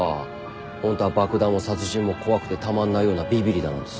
ホントは爆弾も殺人も怖くてたまんないようなビビりだなんてさ。